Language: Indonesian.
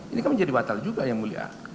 ini kan menjadi batal juga yang mulia